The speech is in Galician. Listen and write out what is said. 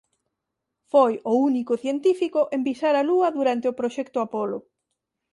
Foi o único científico en pisar a Lúa durante o proxecto Apollo.